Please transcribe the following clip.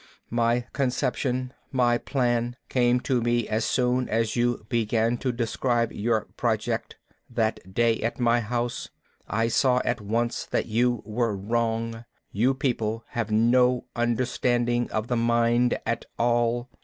My conception, my plan, came to me as soon as you began to describe your project, that day at my house. I saw at once that you were wrong; you people have no understanding of the mind at all.